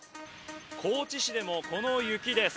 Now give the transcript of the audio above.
高知市でもこの雪です。